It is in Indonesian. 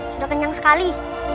sudah kenyang sekali